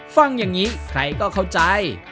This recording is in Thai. ฟังอย่างนี้ใครก็เข้าใจ